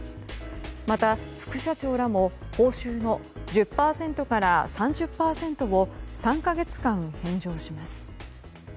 また副社長らも報酬の１０％から３０％を３か月間返上します。